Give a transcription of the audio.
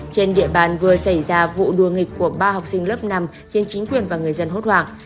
trên địa bàn vừa xảy ra vụ đua nghịch của ba học sinh lớp năm khiến chính quyền và người dân hốt hoảng